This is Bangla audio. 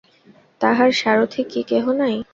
তাহার সারথি কি কেহ নাই?